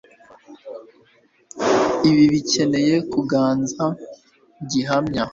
Ibi bikeneye ikiganza gihamye